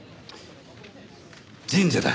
神社だ。